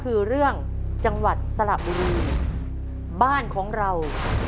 คือเรื่องจังหวัดสระบุรีบ้านของเรา